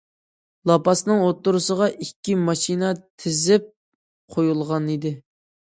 لاپاسنىڭ ئوتتۇرىسىغا ئىككى ماشىنا تىزىپ قويۇلغانىدى.